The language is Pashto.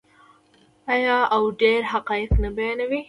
آیا او ډیر حقایق نه بیانوي؟